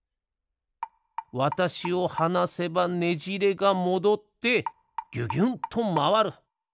わたしをはなせばねじれがもどってぎゅぎゅんとまわる。